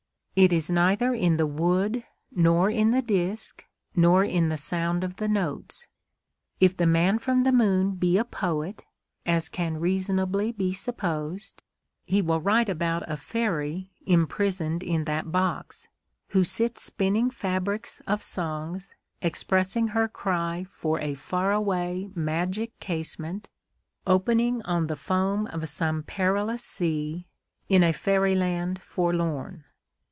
It is neither in the wood, nor in the disc, nor in the sound of the notes. If the Man from the Moon be a poet, as can reasonably be supposed, he will write about a fairy imprisoned in that box, who sits spinning fabrics of songs expressing her cry for a far away magic casement opening on the foam of some perilous sea, in a fairyland forlorn.